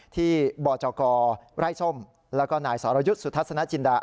ที่บจกไร่ส้มแล้วก็นายสรยุทธ์สุทัศนจินดา